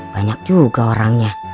banyak juga orangnya